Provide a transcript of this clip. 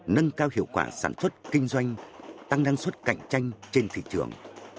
nâng cao hiệu quả sản xuất kinh doanh tăng năng suất cạnh tranh trên thị trường